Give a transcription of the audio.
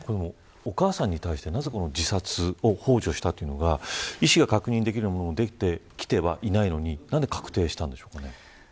お母さんに対してなぜ、自殺ほう助というのが意思が確認できるものが出てきてないのに何で確定したんでしょうか。